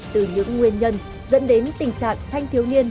từ những nguyên nhân dẫn đến tình trạng thanh thiếu niên